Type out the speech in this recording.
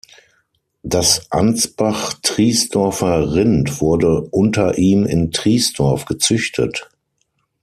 Das Ansbach-Triesdorfer-Rind wurde unter ihm in Triesdorf gezüchtet.